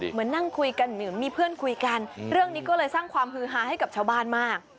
นั่งคุยกันเหมือนมีเพื่อนคุยกันเรื่องนี้ก็เลยสร้างความฮือฮาให้กับชาวบ้านมาก